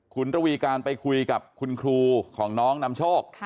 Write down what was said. คุณระวีการไปคุยกับคุณครูของน้องนำโชค